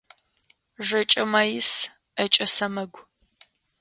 Жэкӏэ маис, ӏэкӏэ сэмэгу.